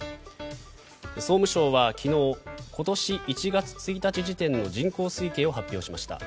総務省は昨日今年１月１日時点の人口推計を発表しました。